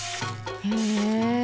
へえ！